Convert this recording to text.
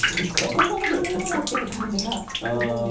大人の飲み物っていう感じがするんです。